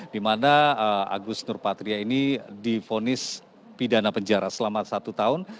dimana agus nurpatria ini difonis pidana penjara selama satu tahun